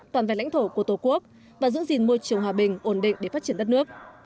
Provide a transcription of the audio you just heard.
toàn vẹn lãnh thổ của tổ quốc và giữ gìn môi trường hòa bình ổn định để phát triển đất nước